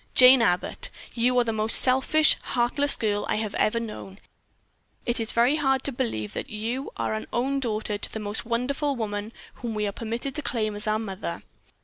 "Jane Abbott, you are the most selfish, heartless girl I have ever known. It is very hard to believe that you are an own daughter to that most wonderful woman whom we are permitted to claim as our mother.